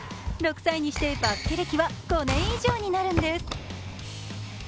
６歳にしてバスケ歴は５年以上になるんです。